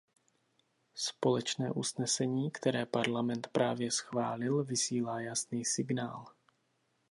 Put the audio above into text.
Společné usnesení, které Parlament právě schválil, vysílá jasný signál.